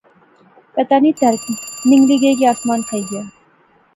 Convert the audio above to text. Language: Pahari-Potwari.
پتہ نی تہرت نگلی گئی اس کی اسمان کھائی گیا